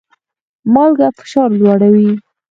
مالګه فشار لوړوي